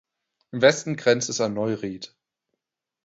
Im Westen grenzt es an Neuried.